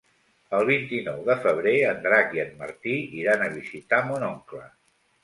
El vint-i-nou de febrer en Drac i en Martí iran a visitar mon oncle.